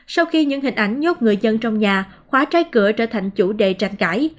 sau khi những hình ảnh nhốt người dân trong nhà khóa trái cửa trở thành chủ đề tranh cãi